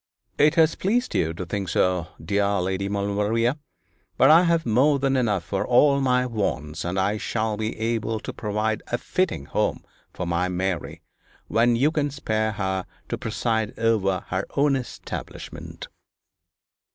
'It has pleased you to think so, dear Lady Maulevrier; but I have more than enough for all my wants, and I shall be able to provide a fitting home for my Mary, when you can spare her to preside over her own establishment.'